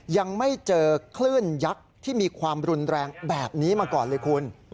ยังไม่เจอคลื่นยักษ์ที่มีความรุนแรงแบบนี้มาก่อนเลยคุณ